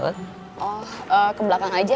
oh ke belakang aja